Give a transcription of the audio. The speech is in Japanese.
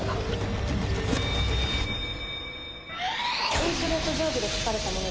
テンプレート定規で書かれたもの。